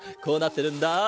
こうなってるんだ。